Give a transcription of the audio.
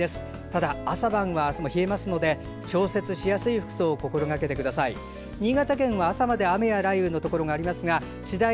ただ、朝晩は明日も冷えますので調節しやすい服装を心がけてください。